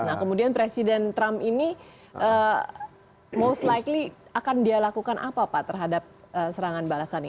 nah kemudian presiden trump ini most likely akan dia lakukan apa pak terhadap serangan balasan ini